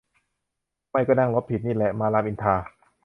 ไม่ก็นั่งรถผิดนี่แหละ มารามอินทรา !